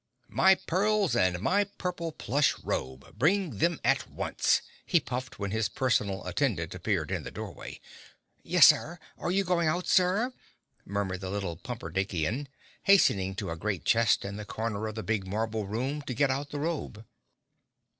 "My pearls and my purple plush robe! Bring them at once!" he puffed when his personal attendant appeared in the doorway. "Yes, Sir! Are you going out, Sir?" murmured the little Pumperdinkian, hastening to a great chest in the corner of the big marble room, to get out of the robe.